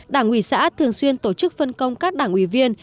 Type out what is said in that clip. đảng ủy xã thường xuyên tổ chức phân công các đảng ủy viên